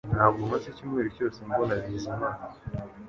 Ntabwo maze icyumweru cyose mbona Bizimana